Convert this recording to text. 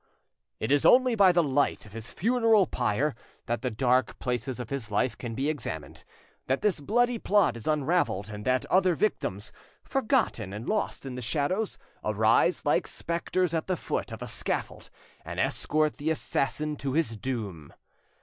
It is only by the light of his funeral pyre that the dark places of his life can be examined, that this bloody plot is unravelled, and that other victims, forgotten and lost in the shadows, arise like spectres at the foot of the scaffold, and escort the assassin to his doom.